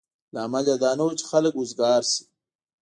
لامل یې دا نه و چې خلک وزګار شي.